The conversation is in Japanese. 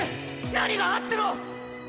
何があっても！